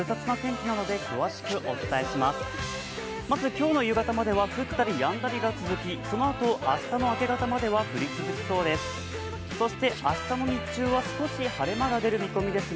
今日の夕方までは降ったりやんだりが続きそのあと、明日の明け方までは降り続きそうです。